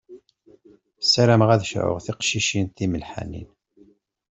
Sarameɣ ad sɛuɣ tiqcicin timelḥanin.